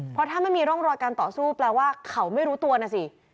เพราะถ้าไม่มีร่องรอยการต่อสู้แปลว่าเขาไม่รู้ตัวนะสิ